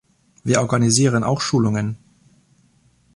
Wir organisieren auch Schulungen.